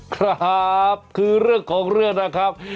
ครับคือเรื่องของเรื่องนะครับ